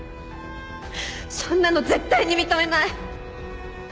そんなの絶対に認めない。